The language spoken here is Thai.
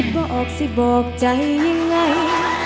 คิดว่าออกสิบอกใจยังไง